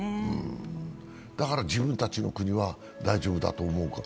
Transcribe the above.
だから、自分たちの国は大丈夫だと思うのか。